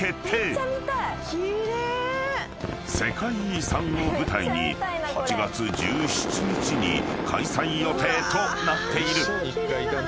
［世界遺産を舞台に８月１７日に開催予定となっている］